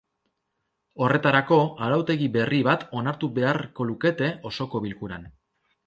Horretarako, arautegi berri bat onartu beharko lukete osoko bilkuran.